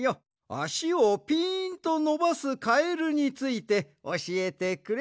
あしをぴーんとのばすカエルについておしえてくれ。